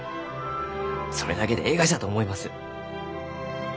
それだけでえいがじゃと思います。